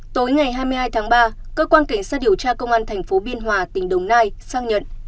tối ngày hai mươi hai tháng ba cơ quan cảnh sát điều tra công an thành phố biên hòa tỉnh đồng nai xác nhận